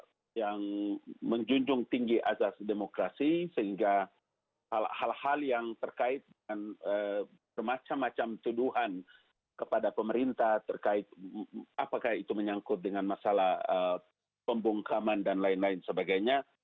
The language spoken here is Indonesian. yang menjunjung tinggi azas demokrasi sehingga hal hal yang terkait dengan bermacam macam tuduhan kepada pemerintah terkait apakah itu menyangkut dengan masalah pembungkaman dan lain lain sebagainya